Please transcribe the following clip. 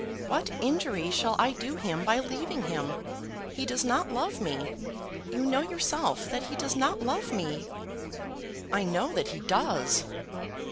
What injury shall I do him by leaving him? He does not love me; you know yourself that he does not love me." "I know that he does."